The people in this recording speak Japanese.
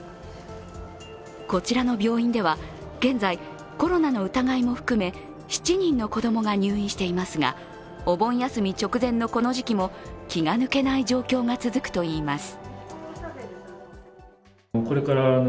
こちらの病院では現在、コロナの疑いも含め７人の子供が入院していますがお盆休み直前の、この時期も気が抜けない状況が続くといいます。